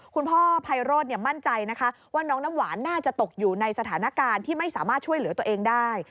ไพโรธมั่นใจนะคะว่าน้องน้ำหวานน่าจะตกอยู่ในสถานการณ์ที่ไม่สามารถช่วยเหลือตัวเองได้